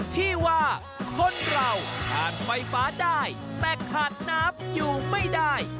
ที่ว่าคนเราขาดไฟฟ้าได้แต่ขาดน้ำอยู่ไม่ได้